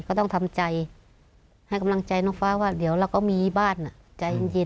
ก็ต้องทำใจให้กำลังใจน้องฟ้าว่าเดี๋ยวเราก็มีบ้านใจเย็น